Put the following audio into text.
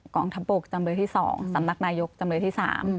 กล่องทัพปกจำนวนที่๒สำนักนายกจำนวนที่๓